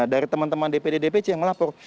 dari teman teman dpd dpc yang melapor